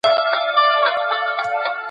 په ټاکلي وخت کې د تخنيک پرمختيا ليدل کيږي.